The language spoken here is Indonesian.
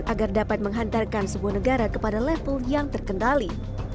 agar dapat menghantarkan sebuah negara kepada level yang terkendali